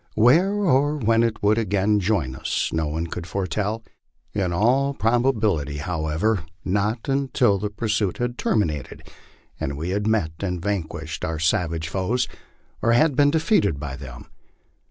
Where or when it would again join us no one could foretell; in all probability, however, not until the pursuit had terminated and we had met and vanquished our savage foes, or had been defeated by them.